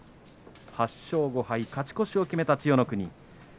８勝５敗、勝ち越しを決めた千代の国。